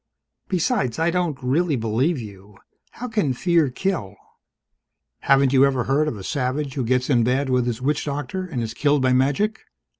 Besides, I don't really believe you. How can fear kill?" "Haven't you ever heard of a savage who gets in bad with his witch doctor and is killed by magic?